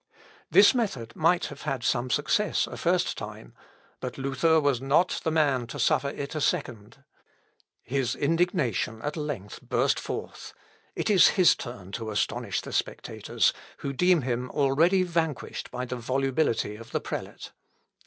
This method might have had some success a first time, but Luther was not the man to suffer it a second. His indignation at length burst forth; it is his turn to astonish the spectators, who deem him already vanquished by the volubility of the prelate.